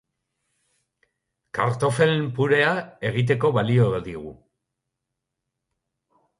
Kartoffeln purea egiteko balio digu!